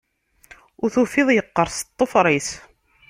Ur tufiḍ... yeqqers ṭṭfer-is.